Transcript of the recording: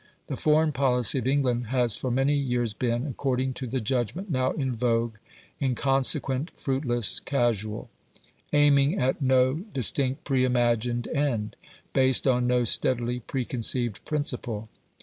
The foreign policy of England has for many years been, according to the judgment now in vogue, inconsequent, fruitless, casual; aiming at no distinct pre imagined end, based on no steadily pre conceived principle.